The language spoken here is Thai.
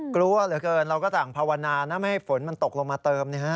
กลัวเหลือเกินเราก็ต่างภาวนานะไม่ให้ฝนมันตกลงมาเติมนะฮะ